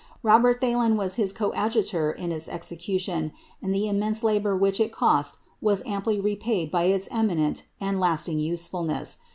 Robert Thalèn was his coadjutor in its execution, and the immense labour which it cost was amply repaid by its eminent and lasting usefulness.